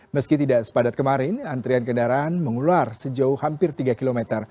meski tidak sepadat kemarin antrian kendaraan mengular sejauh hampir tiga km